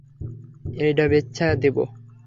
এইডা বেইচ্ছা দিবো?